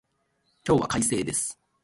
今日は快晴です。